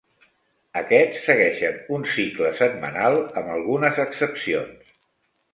Aquests segueixen un cicle setmanal, amb algunes excepcions.